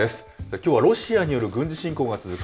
きょうはロシアによる軍事侵攻が続く